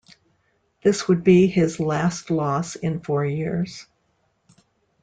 This would be his last loss in four years.